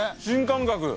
新感覚！